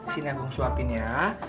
sini agung suapin ya